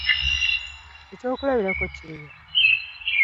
Ekyokulabirako kiri wa?